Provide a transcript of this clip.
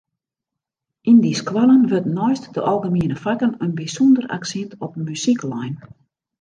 Yn dy skoallen wurdt neist de algemiene fakken in bysûnder aksint op muzyk lein.